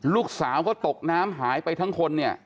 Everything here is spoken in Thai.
ลูกสาวเขาตกน้ำหายไปทั้งคนเนี่ย